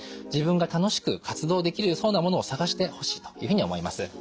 自分が楽しく活動できそうなものを探してほしいというふうに思います。